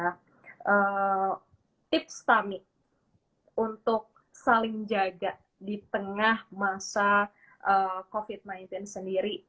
tips tami untuk saling jaga di tengah masa covid sembilan belas sendiri